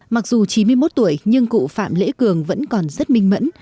mặc dù chín mươi một tuổi nhưng cụ phạm lễ cường vẫn còn rất minh mẫn